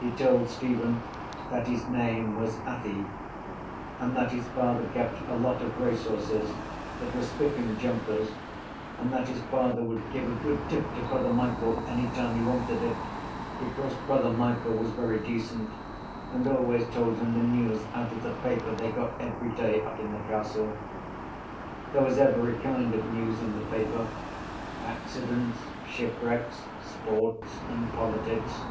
He told Stephen that his name was Athy and that his father kept a lot of racehorses that were spiffing jumpers and that his father would give a good tip to Brother Michael any time he wanted it because Brother Michael was very decent and always told him the news out of the paper they got every day up in the castle. There was every kind of news in the paper: accidents, shipwrecks, sports and politics.